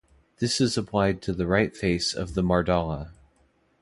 This is applied to the right face of the Mardala.